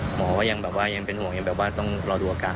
หมอก็ยังแบบว่ายังเป็นห่วงยังแบบว่าต้องรอดูอาการ